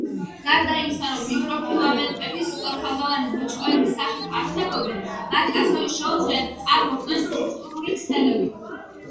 გარდა იმისა, რომ მიკროფილამენტები სწორხაზოვანი ბოჭკოების სახით არსებობენ, მათ ასევე შეუძლიათ წარმოქმნან სტრუქტურული ქსელები.